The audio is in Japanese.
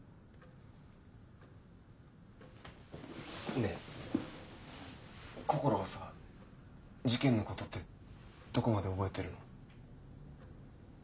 ねえこころはさ事件の事ってどこまで覚えてるの？